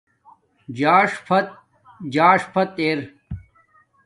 زاݽ فت زاݽ فت ار